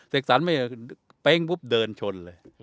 เสกสรรเดินชน